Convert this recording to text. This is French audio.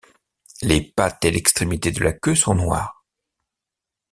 Les pattes et l'extrémité de la queue sont noires.